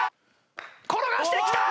転がしてきた！